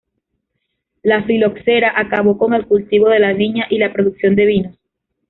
La filoxera acabó con el cultivo de la viña y la producción de vinos.